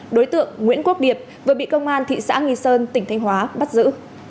đối tượng nguyễn quốc điệp vừa bị công an thị xã nghi sơn tỉnh thanh hóa bắt giữ